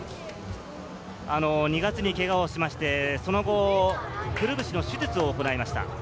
２月にケガをしまして、その後、くるぶしの手術を行いました。